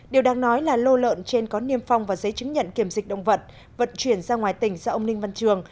điều đáng nói là lô lợn trên có niêm phong và giấy chứng nhận kiểm dịch động vật chuyển ra ngoài tỉnh do ông ninh văn trường